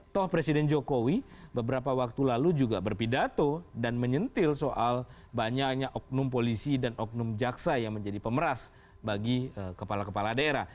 toh presiden jokowi beberapa waktu lalu juga berpidato dan menyentil soal banyaknya oknum polisi dan oknum jaksa yang menjadi pemeras bagi kepala kepala daerah